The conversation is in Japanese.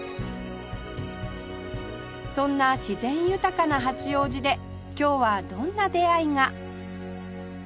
そんな自然豊かな八王子で今日はどんな出会いが